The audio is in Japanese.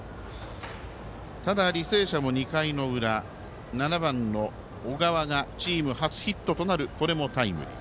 ただ、履正社も２回の裏７番の小川がチーム初ヒットとなるこれもタイムリー。